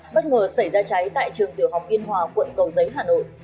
bất ngờ xảy ra cháy tại trường tiểu học yên hòa quận cầu giấy hà nội